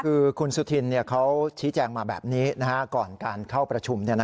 คือคุณสุธินเขาชี้แจงมาแบบนี้ก่อนการเข้าประชุม